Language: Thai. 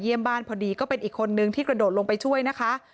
บ้านพอดีก็เป็นอีกคนนึงที่กระโดดลงไปช่วยนะคะ